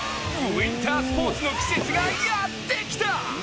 ウィンタースポーツの季節がやってきた。